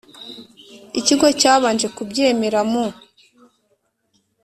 Ikigo cyabanje kubyemera mu